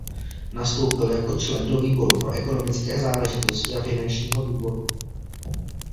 Nastoupil jako člen do výboru pro ekonomické záležitosti a finančního výboru.